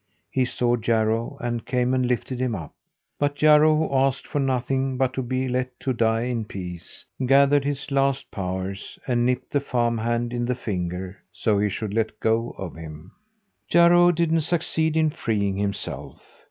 He saw Jarro, and came and lifted him up. But Jarro, who asked for nothing but to be let die in peace, gathered his last powers and nipped the farm hand in the finger, so he should let go of him. Jarro didn't succeed in freeing himself.